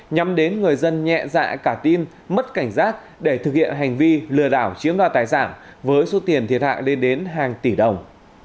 nhằm đến người dân nhẹ dạ cả tin mất cảnh giác để thực hiện hành vi lừa đảo chiếm đoạt tài sản với số tiền thiệt hại lên đến hàng tỷ đồng